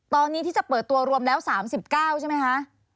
ตอนนี้ที่จะเปิดตัวรวมแล้ว๓๙ใช่ไหมคะ